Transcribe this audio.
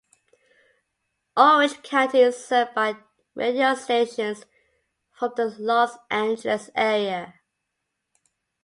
Orange County is served by radio stations from the Los Angeles area.